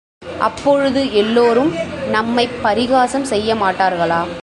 அப்பொழுது எல்லோரும் நம்மைப் பரிகாசம் செய்ய மாட்டார்களா?